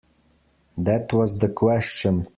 That was the question.